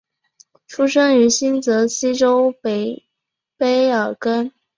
出生于新泽西州北卑尔根。